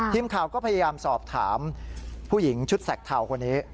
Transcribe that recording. ทีมข่าวก็พยายามสอบถามผู้หญิงชุดแสกเทาคนนี้